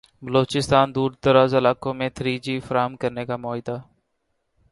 بلوچستان دوردراز علاقوں میں تھری جی فراہم کرنے کا معاہدہ